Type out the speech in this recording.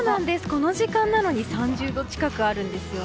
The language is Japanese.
この時間なのに３０度近くあるんです。